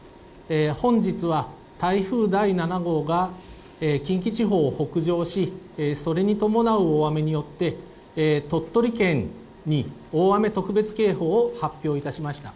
本日は、台風第７号が、近畿地方を北上し、それに伴う大雨によって、鳥取県に大雨特別警報を発表いたしました。